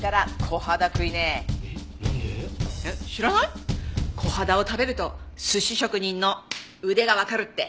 コハダを食べると寿司職人の腕がわかるって。